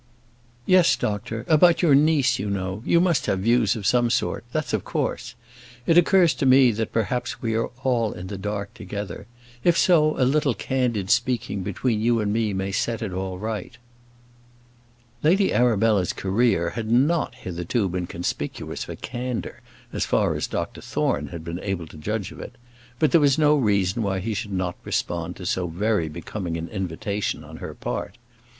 "Yes, doctor; about your niece, you know: you must have views of some sort; that's of course. It occurs to me, that perhaps we are all in the dark together. If so, a little candid speaking between you and me may set it all right." Lady Arabella's career had not hitherto been conspicuous for candour, as far as Dr Thorne had been able to judge of it; but that was no reason why he should not respond to so very becoming an invitation on her part.